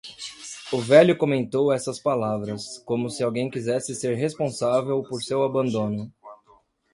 O velho comentou essas palavras, como se alguém quisesse ser responsável por seu abandono.